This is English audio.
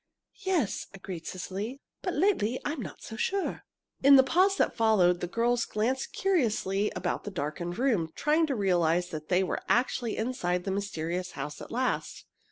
"Yes," agreed Cecily; "but lately I'm not so sure." In the pause that followed, the girls glanced curiously about the darkened room, trying to realize that they were actually inside the mysterious house at last.